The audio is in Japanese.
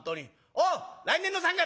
おう来年の三月！」。